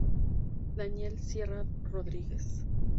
Daniel Sierra Rodríguez.